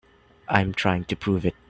I'm trying to prove it.